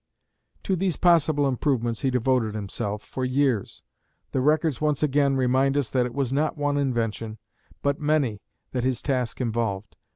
To these possible improvements, he devoted himself for years. The records once again remind us that it was not one invention, but many, that his task involved.